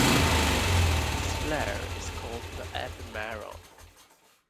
This "flare" is called the "epimeron".